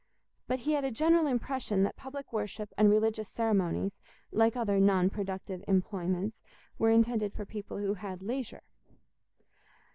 But he had a general impression that public worship and religious ceremonies, like other non productive employments, were intended for people who had leisure.